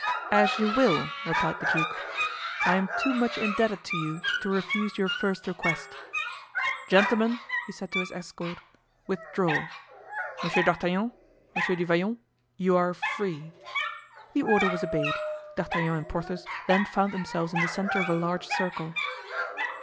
"As you will," replied the duke. "I am too much indebted to you to refuse your first request. Gentlemen," he said to his escort, "withdraw. Monsieur d'Artagnan, Monsieur du Vallon, you are free." The order was obeyed; D'Artagnan and Porthos then found themselves in the centre of a large circle.